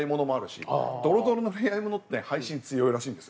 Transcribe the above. ドロドロの恋愛物って配信強いらしいんです。